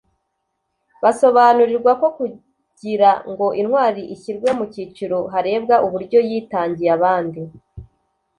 basobanurirwa ko kugira ngo intwari ishyirwe mu cyiciro harebwa uburyo yitangiye abandi